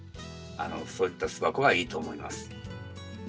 そういった巣箱がいいと思います。